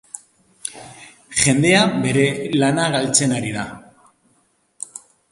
Jendea bere lana galtzen ari da.